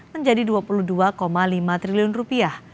menjadi dua puluh dua lima triliun rupiah